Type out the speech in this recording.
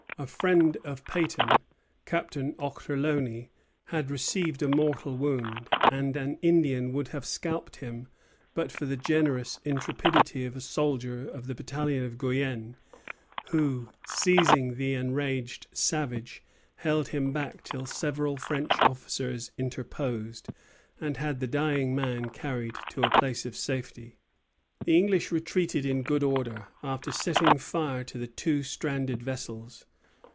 A friend of Peyton, Captain Ochterlony, had received a mortal wound, and an Indian would have scalped him but for the generous intrepidity of a soldier of the battalion of Guienne; who, seizing the enraged savage, held him back till several French officers interposed, and had the dying man carried to a place of safety. The English retreated in good order, after setting fire to the two stranded vessels.